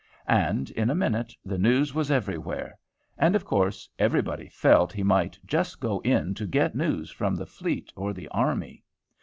And, in a minute, the news was everywhere. And, of course, everybody felt he might just go in to get news from the fleet or the army.